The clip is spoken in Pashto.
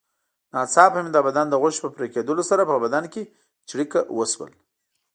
ناڅاپه مې د بدن د غوښې په پرېکېدلو سره په بدن کې څړیکه وشول.